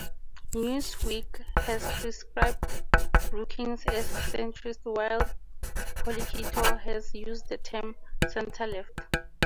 "Newsweek" has described Brookings as centrist while "Politico" has used the term "center-left".